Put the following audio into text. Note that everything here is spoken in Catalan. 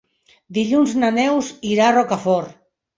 Dilluns na Neus irà a Rocafort.